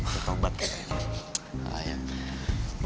betul banget kayaknya